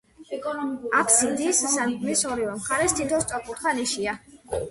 აფსიდის სარკმლის ორივე მხარეს თითო სწორკუთხა ნიშია.